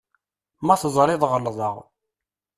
Ma teẓriḍ ɣelḍeɣ.